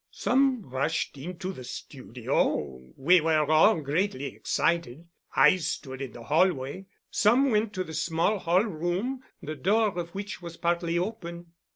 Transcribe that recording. "Some rushed into the studio. We were all greatly excited. I stood in the hallway. Some went to the small hall room, the door of which was partly open."